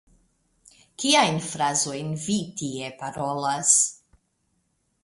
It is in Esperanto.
Kiajn frazojn vi tie parolas?